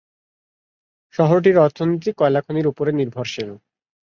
শহরটির অর্থনীতি কয়লা খনির উপরে নির্ভরশীল।